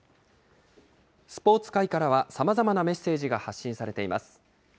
スポーツ界からは、さまざまなメッセージが発信されています。